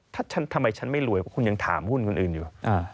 ถ้าฉันทำไมฉันไม่รวยคุณยังถามหุ้นคนอื่นอยู่